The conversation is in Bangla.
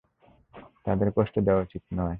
তাদের কষ্ট দেওয়া উচিত নয়।